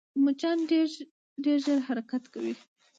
مچان ډېر ژر حرکت کوي